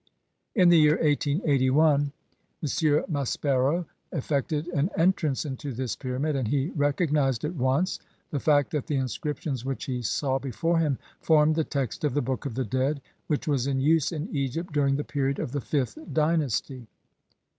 In the year 1 88 1 M. Maspero effected an entrance into this pyramid, and he recog nized at once the fact that the inscriptions which he saw before him formed the text of the Book of the Dead which was in use in Egypt during the period of the fifth dynasty.